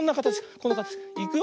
このかたち。いくよ。